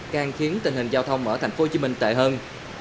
càng khiến tình hình giao thông ở tp hcm tệ hơn